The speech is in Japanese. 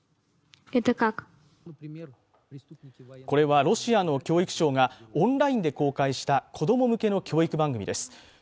これは、ロシアの教育省がオンラインで公開した子供向けの教育番組です。